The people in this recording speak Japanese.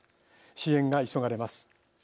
支援が急がれます。